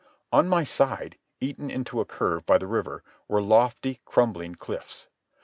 On my side, eaten into a curve by the river, were lofty, crumbling cliffs.